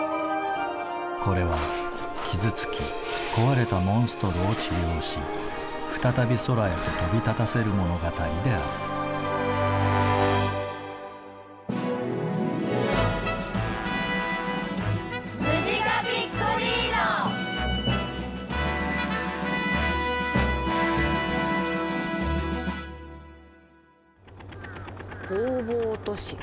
これは傷つき壊れたモンストロを治療し再び空へと飛び立たせる物語である工房都市。